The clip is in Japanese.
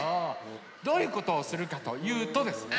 どういうことをするかというとですね